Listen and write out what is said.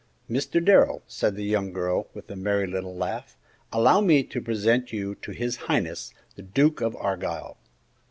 "Mr. Darrell," said the young girl, with a merry little laugh, "allow me to present you to His Highness, the Duke of Argyle!"